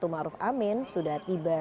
maruf amin sudah tiba